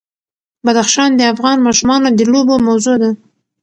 بدخشان د افغان ماشومانو د لوبو موضوع ده.